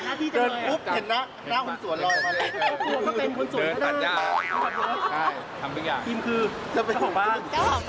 ใช่ทำตัวอย่างอีกคือจะเป็นของบ้างจะเป็นของบ้าง